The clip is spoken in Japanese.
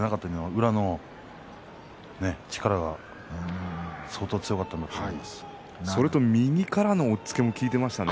宇良の力が相当強かったなと思いますよ。